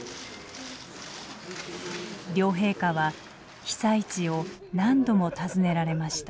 両陛下は被災地を何度も訪ねられました。